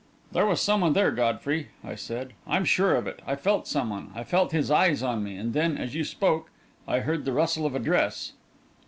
"There was someone there, Godfrey," I said. "I'm sure of it I felt someone I felt his eyes on me and then, as you spoke, I heard the rustle of a dress."